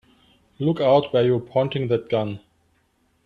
Look out where you're pointing that gun!